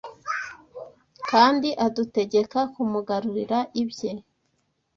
kandi adutegeka kumugarurira ibye.